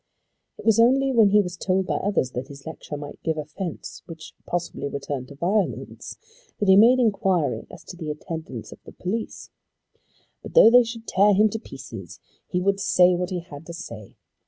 It was only when he was told by others that his lecture might give offence which possibly would turn to violence, that he made inquiry as to the attendance of the police. But though they should tear him to pieces he would say what he had to say.